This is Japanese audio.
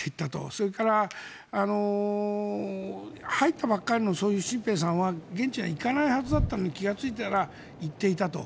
それから、入ったばかりのそういう新兵さんは現地へは行かないはずだったのに気がついたら行っていたと。